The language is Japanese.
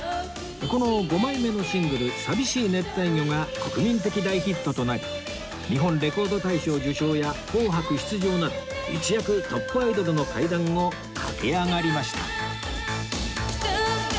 この５枚目のシングル『淋しい熱帯魚』が国民的大ヒットとなり日本レコード大賞受賞や『紅白』出場など一躍トップアイドルの階段を駆け上がりました